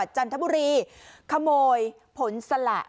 จันทบุรีขโมยผลสละ